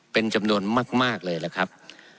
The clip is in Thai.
เป็นจำนวนมากเลยล่ะครับ